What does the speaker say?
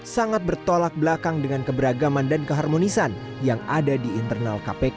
sangat bertolak belakang dengan keberagaman dan keharmonisan yang ada di internal kpk